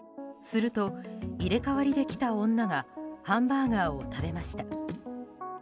すると入れ替わりで来た女がハンバーガーを食べました。